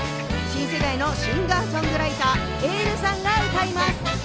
新世代のシンガーソングライターｅｉｌｌさんが歌います。